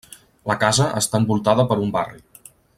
La casa està envoltada per un barri.